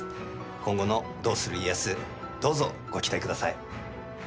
今後の「どうする家康」どうぞご期待ください。